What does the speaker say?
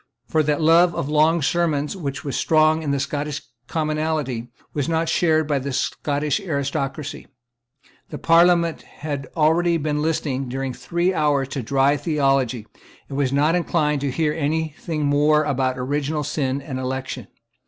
For that love of long sermons which was strong in the Scottish commonalty was not shared by the Scottish aristocracy. The Parliament had already been listening during three hours to dry theology, and was not inclined to hear any thing more about original sin and election.